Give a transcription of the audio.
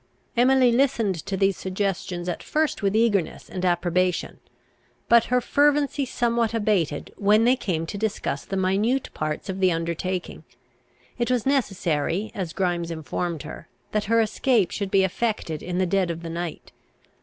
Emily listened to these suggestions at first with eagerness and approbation. But her fervency somewhat abated, when they came to discuss the minute parts of the undertaking. It was necessary, as Grimes informed her, that her escape should be effected in the dead of the night.